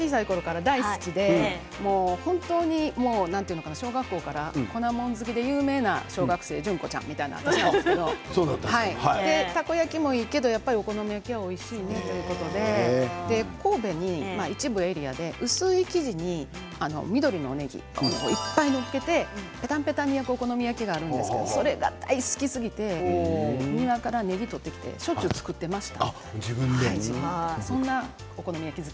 小さいころから大好きで本当に小学校から粉もん好きで有名な小学生、淳子ちゃんみたいな感じだったんですけどたこ焼きもいいけどお好み焼きはおいしいなということで神戸の一部エリアで薄い生地に緑のねぎいっぱい載っけてぺたんぺたんに焼くお好み焼きがあるんですが大好きすぎて庭からねぎを取ってきてしょっちゅう作っていました。